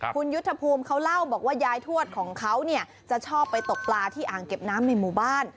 คุณยุทธภูมิเขาเล่าบอกว่ายายทวดของเขาเนี่ยจะชอบไปตกปลาที่อ่างเก็บน้ำในหมู่บ้าน